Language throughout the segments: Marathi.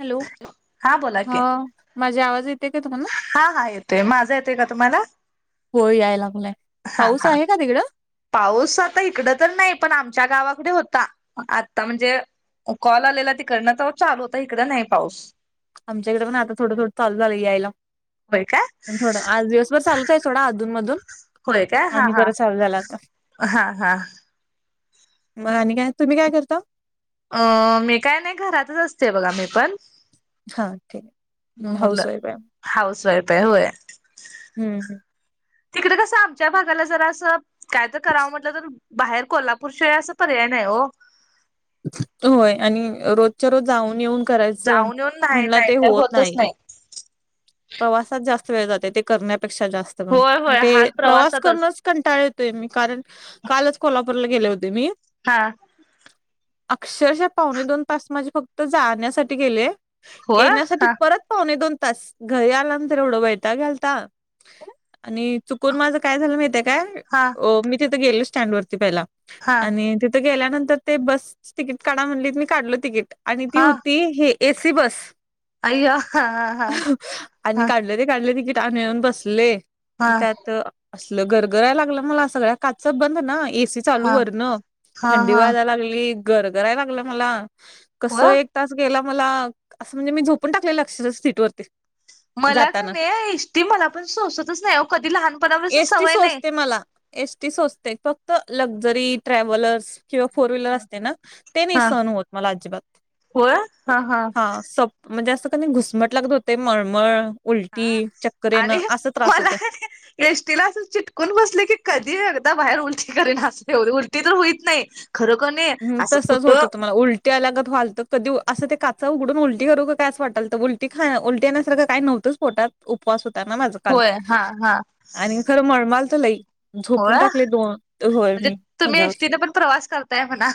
हॅलो बोला हा की माझे आवाज येते काय तुम्हाना? हा हा येतोय. माझा येतोय का तुम्हाला? हो याय लागलाय. हा पाऊस हा. आहे का तिकडं? पाऊस आता इकडं तर नाही पण आमच्या गावाकडे होता. आता म्हणजे कॉल आलेला तिकडन तवा चालू होता हिकड नाही पाऊस. आमच्या इकड पण आता थोडं थोड चालू झालंय यायला. होय काय? पण थोडं. आज दिवसभर चालूच आहे सोडा अधून - मधून. होय काय हा आणि हा परत चालू झाला आता. हा हा मग आणि काय? तुम्ही काय करता? अ मी काय नाही. घरातच असते बघा मी पण. हा ठीक आहे. म मुलं हाऊस वाईफ आहे. हाऊस वाइफ हाय होय. हम्म हम्. तिकड कसं आमच्या भागाला जरा असं काय तर करावं म्हटलं तर बाहेर कोल्हापूर शिवाय अस पर्याय नाही आहे हो. होय आणि रोज च्या रोज जाऊन येऊन करायचं जाऊन येऊन नाही म्हणलं नाही ते होत होतच नाही. प्रवासात जास्त वेळ जातेय. ते करण्यापेक्षा जास्त करून. होय मग होय ते हाल प्रवास प्रवासातच करूनच कंटाळ येतोय. मी कारण कालच कोल्हापूरला गेले होते मी. हा. अक्षरशः पावणे दोन तास माझे फक्त जाण्यासाठी गेले. होय येण्यासाठी हा परत हो नई दोन तास घरी आल्यानंतर एवढं वैताग यायलता - - आणि चुकून माझ काय झालं माहिताय काय हा अ मी तिथं गेलो स्टँड वरती पहिला हा आणि तिथ गेल्यानंतर ते बस तिकीट काढा म्हणलीत. मी काढलो तिकीट आणि ती हा होती हे एसी बस. अय्या हा हा आणि हा काढलं ते काढलं तिकीट त्या अन् येऊन बसलय हा त्यात त असलं गरगराय लागलं मला सगळ्या काच बंद ना एसी चालू हा वर न हा थंडी हा वाजायला लागली. गरगराय लागलं मला. व कस एक तास गेला मला असं म्हणजे मी झोपून टाकलेल अक्ष सीट वरती मला का नाही इष्टी मला पण सोसतच नाही ओ कधी लहानपणापासून एसटी सवय नाही. सोचते मला एसटी सोचते फक्त लक्झरी, ट्रॅव्हलर्स किंवा फोर व्हीलर असते ना? ते नाही हा सहन होत मला अजिबात. होय हा हा. सप म्हणजे असं का घुसमटल्या गत होतय. मळमळ हा उलटी, चक्कर येनं असं त्रास होत्या. एष्टीला असं चिटकून बसले की कधी एकदा बाहेर उलटी करीन अस उलटी तर होईत नाही खरं क नाही असं कुठं ते अगत व्हालतं कधी असं ते काचा उघडून उलटी करू कायच वाटालं उलटी खाली येण्यासारखं काही नव्हतं पोटात उपवास होता ना माझं काल होय हा हा आणि खरं मळमालच लई झोपून होळा टाकले दोन होय म्हणजे मी तुम्ही एस ह्याच्यावर टीने पण प्रवास करताय म्हणा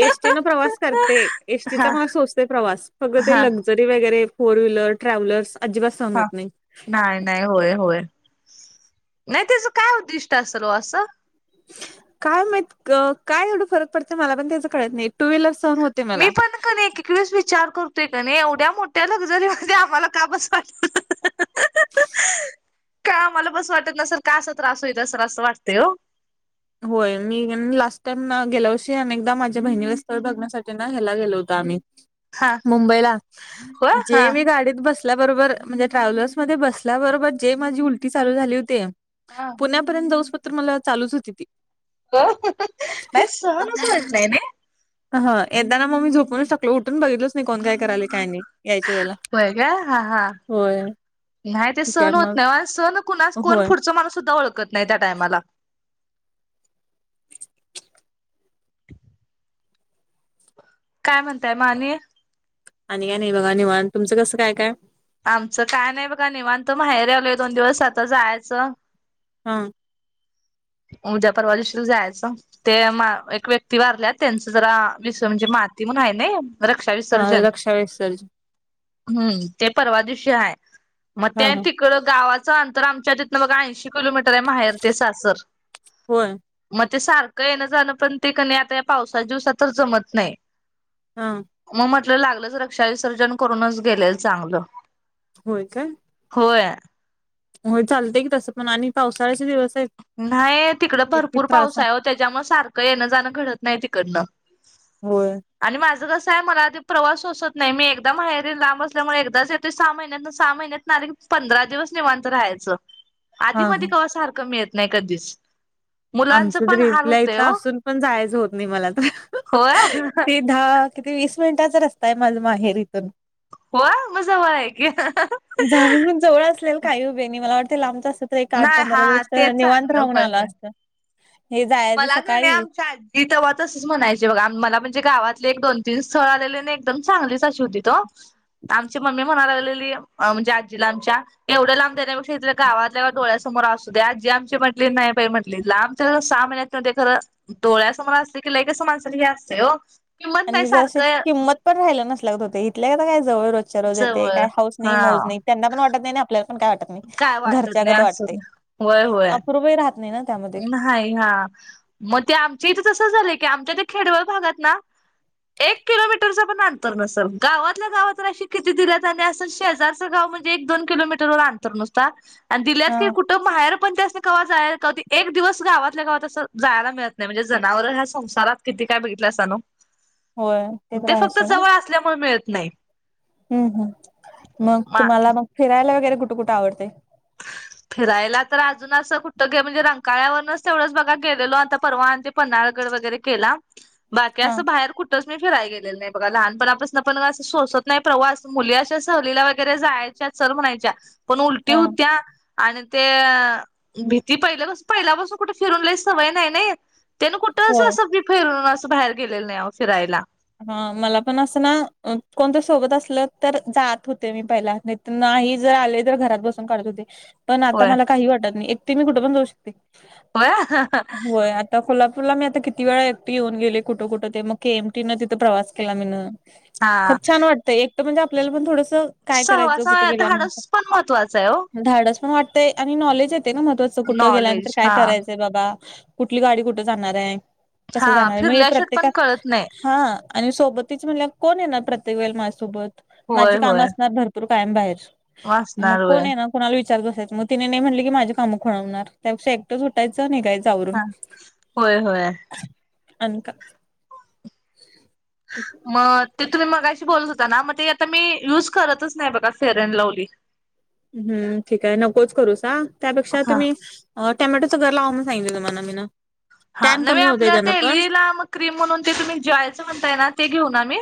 एस टी न प्रवास करते एस टीचा हा मला सोचते प्रवास फग ते हा ल जरी वगैरे फोर व्हीलर ट्रॅव्हलर्स अजिबात सहण हा होत नाही नाही नाही होय होय नाही त्याच काय उद्दिष्ट असेल हो असं काय माईत काय एवढं फरक पडत मला पण त्याच कळत नाही टू व्हीलर सहन होते मी मला पण क नाही विचार करतोय का नाही एवढ्या मोठ्या लक्झरी मध्ये आम्हाला का बस वाटत ह [inaudible] का मला बस वाटत न सर का असा त्रास होईल असल असं वाटते हो होय मी लास्ट टाइम गेल्या वर्षी अनेकदा माझ्या बहिणीला स्थळ बघण्यासाठी ना ह्यायला गेलो होतो आम्ही हा मुंबईला होय हा जे मी गाडीत बस ल्याबरोबर म्हणजे ट्रॅव्हलर्स म बसल्याबरोबर जे माझी उलटी चालू झाली होती हा पुण्यापर्यंत जाऊस पत्र मला चालूच होती ती हो नाही सहनच होत नाही हा यदा ना मग मी झोपूनच टाकलो उठून बघितलच नाही कोण काय कराय काय नाही याच्या वेळेला होय का हा हा होय नाही ते ठीक आहे सण होत मग नाही सण कोणा कोण होय पुढचा माणूस सुद्धा ओळखत नाही त्या टायमाला काय म्हणताय मामी आणि काय नाही बघा निवांत तुमचं कसं काय काय आमचं काय नाही बघा निवांत माहेर आलोय दोन दिवस आता जायचं हा उद्या परवा दिवशीला जायचं ते म एक व्यक्ती वारल्यात त्यांच जरा दिवस म्हणजे माती म्हण आहे ना रक्षा हा विसर्जन रक्षा विसर्जन हम्म ते परवा दिवशी आहे मग हा ते हा त तकडं गावाचं अंतर आमच्या तिथनं बघा ऐंशी किलोमीटर आहे माहेर ते सासर होय मग ते सारखं येणं जाणं पण ते क नाही आता या पावसाच्या दिवसात तर जमत नाही हा मग म्हटलं लागलंच रक्षा विसर्जन करूनच गेलेल चांगलं होय काय होय होय चालतय की तसं पण आणि पावसाळ्याचे दिवस आहेत नाही तिकड किती भरपूर त्रास पाऊस आहे त्याच्यामुळे सारखं येणं जाणं घडत नाही तिकडनं होय आणि माझं कसं आहे मला आ प्रवास सोसत नाही मी एकदा माहेरी लांब असल्यामुळे एकदाच येतोय सहा महिन्यात सहा महिन्यात तिथून आली की पंधरा दिवस निवांत राहायचं [inaudible] आधी मधी कवा सारखं मिळत नाही कधीच मुलांचं आमचं तर पण हाल इथल्या होतंय इथं ओ. असून पण जायचं होत नाही मला होय तर दहा किती वीस मिनिटाचा रस्ताय माझ माहेरीईतून होय म जवळ आहे की [unintelligible] जाऊन जवळ असलेल काही उभे नाही मला वाटते लांबचा अस तर एक आठ नाही पंधरा हा दिवस त तेच निवांत चांगलं राहून होय आला होय असता हे जायांच सकाळी ती तव्हा तसच म्हणायची बघा, मला म्हणजे गावातले एक दोन तीन स्थळ आलेले न एकदम चांगलीच अशी होती त. आमची मम्मी म्हणाय लागलेली, अ म्हणजे आजीला आमच्या, एवढं लांब देण्यापेक्षा इथ गावातल्यागावात डोळ्यासमोर आसू दे, आजी आमची म्हटली, नाही बाई म्हटली लांब त सहा महिन्या तन ते खरं डोळ्यासमोर असते कि लई कस माणसाला हे असते हो किंमत नाही आणि जशी सारखं किंमत पण राहिलं नसल्या गत होते, इथल्याता काय जवळ रोजच्या रोज येते, जवळ काय हौस नाही मौज हा नही. त्यांना पण वाटत नही, आणि आपल्याला पण काही वाटत नही, काय वाटत नाही घरच्यागत असं वाटते अपूर्वही राह नही ना त्यामध्ये. हाय ह्यां म ते आमच्या इथे तसं झालंय की आमच्या ते खेडवळ भागात ना एक किलोमीटरचा पण अंतर नसल, गावातल्या गावात अशी किती दिल्यात आणि असं शेजारचं गाव म्हण एक दोन किलोमीटर वर अंतर नुसता अन दिल्यात हा की कुठं माहेर पण त्यासनी कवा जाय कधी एक दिवस गावातल्या गावात असं जायला मिळत नाही म्हणजे जनावरं ह्यां संसारात किती काय बघितलं असंनो [inaudible] तर ते आहे फक्त सोडा. जवळ असल्यामुळे मिळत नाही. हूं हूं मग मा तुम्हाला मग फिरायला वगैरे कुठ कुठ आवडतय. फिरायला तर अजून असं कुठं गे म्हणजे रंकाळ्यावरनच तेवढंच बघा गेलेलो आता परवान ते पन्हाळगड वगैरे केला. [inaudible] बाकी असं बाहेर कुठ च मी फिराय गेले नाही बघा लहानपणापासून पण सोसत नाही प्रवास, मुली अशा सहलीला वगैरे जायांच्या चल म्हणायच्या, पण उलटी हा. होत्या आणि ते भीती पहिल्यापासू-पहिल्यापासून कुठे फिरूनलयी सवय नाही नाही. त्यान कुठं अस होय असं बी फिरून असं बाहेर गेलेलं नाही अहो फिरायला. हं मला पण असं ना अ कोणतरी सोबत असलं तर जात होते मी पहिला नाही जर आले तर घरात बसून काढत होते, पण आता होय मला काही वाटत नाही एकटी मी कुठ पण जाऊ शकते. [unintelligible] होय आता कोल्हापूरला मी आता किती वेळा एकटी येऊन गेले, कुठं कुठ ते म के एम टी न तिथं प्रवास केला मीन. हा खप छान वाटतंय एक त म्हणजे आपल्याला पण थोडस काय करायचं सहवास कुठे धाडस गेल्यानंतर, पण महत्त्वाचं आहे ओ न धाडस पण वाट ते आणि नॉलेज येते ना महत्त्वाचं, कुटं गेल्यानंतर नॉलेज काय हा करायचंय बाबा. कुठली गाडी कुठे जाणार आहे, हा कसं जाणार आहे म हे फिरल्याशिवाय प्रत्येका पण कळत नाही हा आणि सोबतीच म्हणल्याव कोण येणार प्रत्येक वेळला माझ्यासोबत, होय माझी कामं होय असणार भर पूर कायम बाहेर मग वाचणार होय कोण येना. कोनाला विचारत बसायंच मग तिने नाही म्हनली की माझे काम खोळबनार, त्यापेक्षा एकट सुटाय चं निघाचं. तावरून हा होय होय अनका. म ती. तुम्ही मगाशी बोलत होता ना, म ते आता मी युज करतच नाही बघा फेअर अँड लव्हली. हूं ठीक आहे नकोच करूस आ त्यापेक्षा हा तुम्ही अ टॅमॅटोचं गंरलावा म्हणून सगितलं तुम्हाला मीन. हा टॅन न मी कमी आपल होतय त्यानं पण डेली लाम क्रीम म्हणून ते तुम्ही जॉयचं म्हणताय ना ते घेऊ ना मी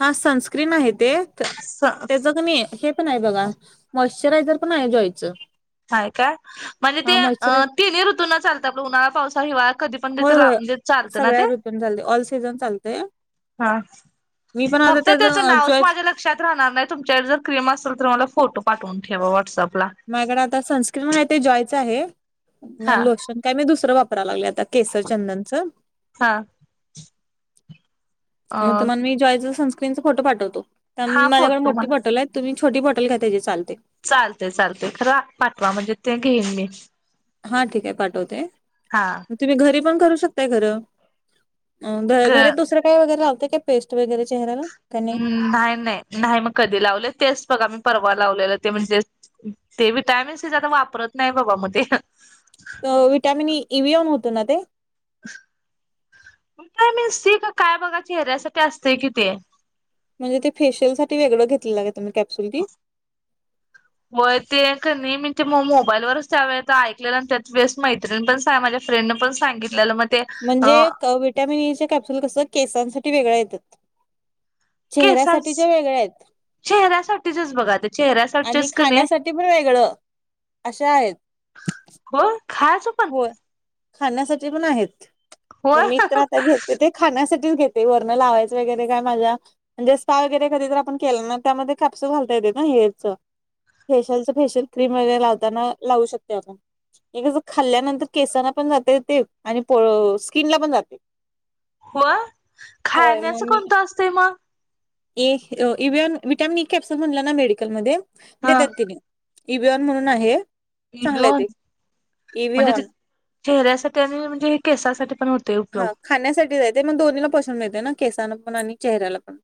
हा सनस्क्रीन आहे ते, त्याचं कणी हे पण आहे बघा. मॉशचरायझर पण आहे जॉयचं. हाय का. म्हणजे ते हा अ मॉइश्चरायझ तिन्ही ऋतूना चालत आपल उन्हाळा, पावसा, हिवाळा, कधी पण ईच लाव म्हणजे चालतं ना ते. ते पन चालत ऑल सीझन चालतय. हां फक्तं त्यांचं नावंच जॉय माझ्यांला ल लक्षांत राहणांर नाहीं तुच्यांवर जरं क्रीम असेल तरु म्हांला फोटो पाठवूंन ठेवां व्हॉट्सअँप लां माझ्याकडे आंता सनस्क्रीन आहे ते जॉयचं आहे हा लोशन कायं मी दुसरं वापरांयला लागले आंता केसरचंदनचं हां मंग ते मगं मी जॉयचा सस्क्रीनचा फोटो पाठवतो त्यां हा माझ्यांकडे फोटो मोठी मला बॉटल आहेतं तुम्हीं छोटी बॉटल घ्यायची तरी चालते चालते चालते खरं पाठवां म्हणजे ते घेईन मी हां ठीक आहे पाठवते हां तुम्हीं घरी पणं करूं शकतांय खरं ग घरं दुसऱ्यां कायं वगैरें लावते कां पेस्ट वगैरेंचेहऱ्यांला हम्मं नाहीं नाहीं नाहीं मंग कधी लावले तेचं बघं आम्हीं पर्वा लावलेल ते म्हणजे ते विटामिन सीचा आं तरं वापरतं नाहीं बाबां मं ते विटॅमिन इवओन होतो नां ते कायं मीती कां कायं बघां चेहऱ्यांसाठी असते कि ते म्हणजे ते फेशियल साठी वेगळं घेतले लागे तुही कॅप्सुल बी हो ते कां नाहीं म्हे मंग मोबाईल वचं त्यावेळे ऐकलेला आणि त्यांत वेळेट माहिती पणं मायारेंड नं पणं सांगितलं म म्हणजे विटॅमिन ई कॅप्सूल कसं केसांसाठी वेगळं येतांत केसां चेहऱ्यांसाठीच्यां वेगळ्यां आहेतं चेहऱ्यासाठीचच बघा ते आणि चेहऱ्यासाठीच कणी खाण्यांसाठी पणं वेगळं अशां आहेतं हो खांच खाण्यांसाठी पणं आहेतं मंग होय मी तरं आंता घेते ते खाण्यांसाठीचं घेते वरणं लावायचं वगैरें कायं माझ्यां म्हणजे स्पा वगैरें कधींतरं आपणं केला नां त्यांमध्यें कापसूं घालतां येतं नां हेरचं फेशियलच फेशियल क्रीम वगैरें लावतांना लावूं शकते आपणं एक खाल्ल्यांनंतर केसांना पणं जाते ते आणि प स्किनला पणं जाते होवं होय खाण्यांचं मग मी कोणतं असतं मंग ए विटामिन कॅप्सुल म्हणंला नां मेडिकल मध्यें हा देतांत तिने इबिन म्हणूंन आहे चांगलं आहे ईबलॉवान ते म्हणजे इव्हन चेहऱ्यांसाठी आणि म्हणजे केसांसाठी पणं होतं ते उपयोग खाण्यांसाठीचं येते मंग दोन्हीला पासूंन येते नां केसांना पणं आणि चेहऱ्यांला पणं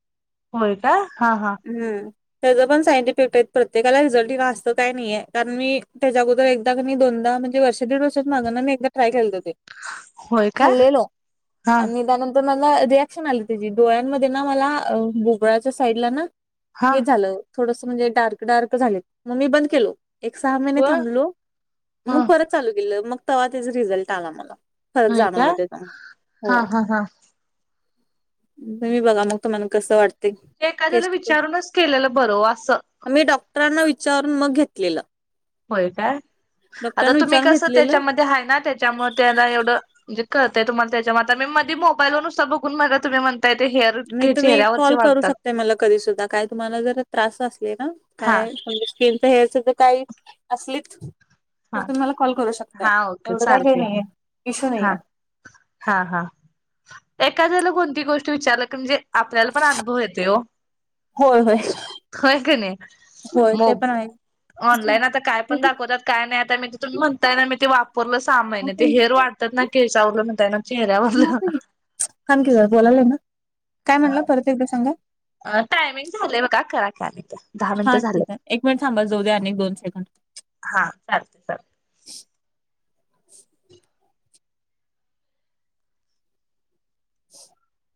होयं कां हां हां हं त्यांचं पणं सायंट इफेक्ट आहे प्रत्येकांला रिझल्टं जास्तं कायं नाहीें कारणं मी त्यांच्यागोदर मी दोनदा म्हजे वर्षे दीडवशांत मागं नां मी एकदां ट्राय करतं होते होय का खाल्लेलो हा आणि त्यांनंतर तरं मलां रिॲक्शन आली त्यांची डोळ्यांमध्ये नां मलां भुगळांच्या साईडला नां हा हे झालं थोडंसं म्हणजे डार्क डार्क झाले मंग मी बंद केलो एक सहा महिने व थांबलो मंग ह परंत चालूं गेलं मंग तेंव्हां त्यांचा रिझल्ट आंला मलां फरक होय का जाणंवला त्यांचा हा होयं हा हा तुम्हीं बघं मंग तुम्हांला कसं वाटतं ते एखाद्यांला विचारूंनच केलेलं बरं असं मी डॉक्टरांना विचारूंन मंग घेतलेलं होय काय, आता डॉक्टरांना तुम्ही विचारून कसं घेतलेलं त्याच्यामध्ये आहे ना त्याच्यामध्ये त्याना एवढं म्हणजे कळंय, तुम्हाला त्याच्या म आ मी मोबाईलवर नुसत बघून बगा तुम्ही म्हण काय ते हेअर नाही ते तुम्ही चेहऱ्यावरचे कॉल करू वाढतात शकताय मला, कधी सुद्धा काय तुम्हाला जर त्रास असले ना हा काय म्हणजे हेल्थ हेयर तर काही असलीत तर हा तुम्ही मला कॉल करू शकताय, हा ओके एवढं काय हे चालतय की नाही आहे इश्यू हा नाहीे. हा हा एखाद्याला कोणती गोष्ट विचारलं की म्हणजे आपल्याला पण अनुभव येतोय हो होय होय होय क नाही होय मो ते पण आहे ऑनलाईन आता काय पण दाखवतात, काय नाही आता मी तिथून म्हणताय ना मी ती वा पूर्ण सहा महिने ते हेयर वाढतात ना, केसावरल म्हणताय ना चेहऱ्यावरल थांब की जरा बोललोय ना, काय म्हणाला परत एकदा सांगा. अ टायमिंग झालंय बघा, करा की अनेकदा हा ठीक आहे. एक मिनिट थांबा जाऊदे अनेक दोन सेकंड. हा चालतंय चालतंय [inaudible]